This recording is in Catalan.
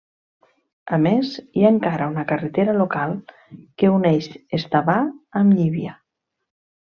A més, hi ha encara una carretera local que uneix Estavar amb Llívia.